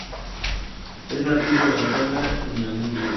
Es nativo de Angola y Namibia.